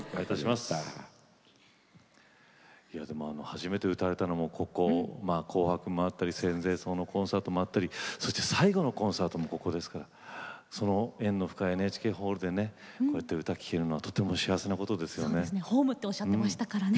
初めて歌われたのも、ここ「紅白」もあったり生前葬コンサートもあったりそして、最後のコンサートもここですから縁の深いＮＨＫホールでこうやって歌を聴けるのはとても幸せなことです。